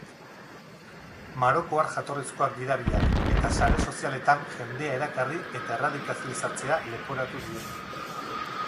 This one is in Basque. Marokoar jatorrizkoak dira biak eta sare sozialetan jendea erakarri eta erradikalizatzea leporatu diete.